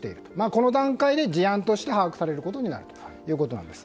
この段階で事案として把握されることになったということです。